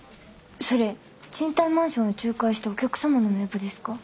それ賃貸マンションを仲介したお客様の名簿ですか？